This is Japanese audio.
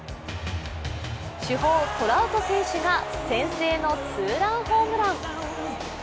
主砲、トラウト選手が先制のツーランホームラン。